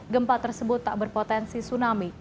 gempa tersebut tak berpotensi tsunami